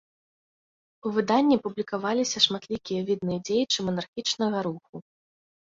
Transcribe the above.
У выданні публікаваліся шматлікія відныя дзеячы манархічнага руху.